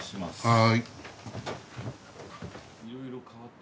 はい。